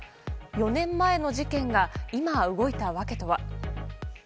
４年前の事件が今、動いた訳とは。